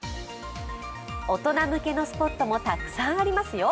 大人向けのスポットもたくさんありますよ。